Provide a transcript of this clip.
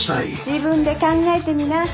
自分で考えてみな。